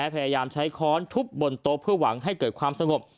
พยายามใช้ค้อนทุบบนโต๊ะเพื่อหวังให้เกิดความสงบ